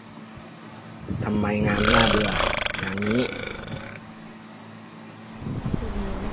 ทำไมงานมันน่าเบื่ออย่างนี้